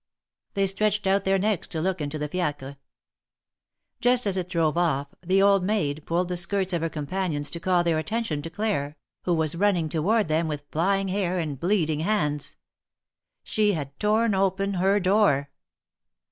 They stretched out their necks to look into the fiacre. Just at it drove off, the old maid pulled the skirts of her companions to call their attention to Claire, who was running toward them with flying hair and bleeding hands. She had torn open her door.